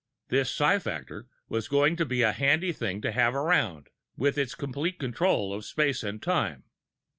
This psi factor was going to be a handy thing to have around, with its complete control of space and time.